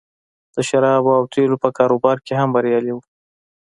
د شرابو او تیلو په کاروبار کې هم بریالی و